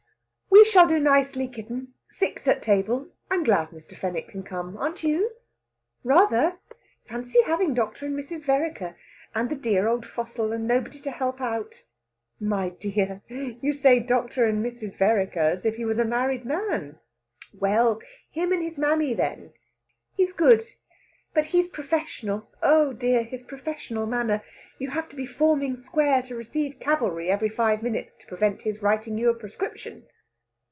"We shall do nicely, kitten! Six at table. I'm glad Mr. Fenwick can come. Aren't you?" "Rather! Fancy having Dr. and Mrs. Vereker and the dear old fossil and nobody to help out!" "My dear! You say 'Dr. and Mrs. Vereker' as if he was a married man!" "Well him and his mammy, then! He's good but he's professional. Oh dear his professional manner! You have to be forming square to receive cavalry every five minutes to prevent his writing you a prescription."